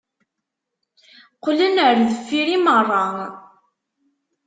Qqlen ar deffir i meṛṛa.